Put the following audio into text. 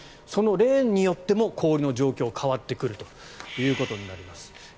そのレーンによっても氷の状況が変わってくることになります。